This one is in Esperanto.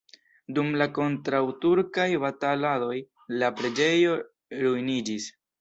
Dum la kontraŭturkaj bataladoj la preĝejo ruiniĝis.